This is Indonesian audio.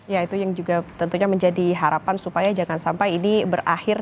ya itu yang juga tentunya menjadi harapan supaya jangan sampai ini berakhir